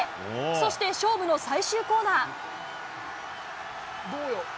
そして、勝負の最終コーナー。